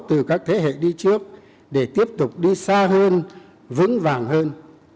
từ các thế hệ đi trước để tiếp tục đi xa hơn vững vàng hơn